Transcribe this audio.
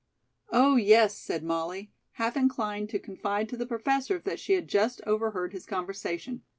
"Oh, yes," said Molly, half inclined to confide to the Professor that she had just overheard his conversation.